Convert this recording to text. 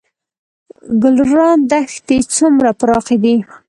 ګلران دښتې څومره پراخې دي؟